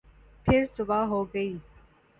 پھر صبح ہوگئی